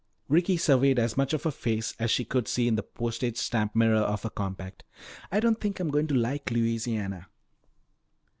Ricky surveyed as much of her face as she could see in the postage stamp mirror of her compact. "I don't think I'm going to like Louisiana."